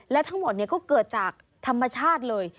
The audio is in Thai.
และทั้งหมดก็เกิดจากธรรมชาติเลย